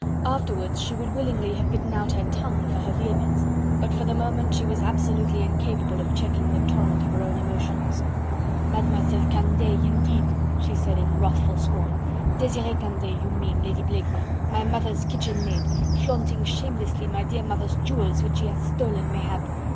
Afterwards she would willingly have bitten out her tongue for her vehemence, but for the moment she was absolutely incapable of checking the torrent of her own emotions. "Mademoiselle Candeille, indeed?" she said in wrathful scorn, "Desiree Candeille, you mean, Lady Blakeney! my mother's kitchen maid, flaunting shamelessly my dear mother's jewels which she has stolen mayhap..."